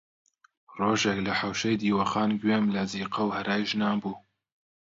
ڕۆژێک لە حەوشەی دیوەخان گوێم لە زیقە و هەرای ژنان بوو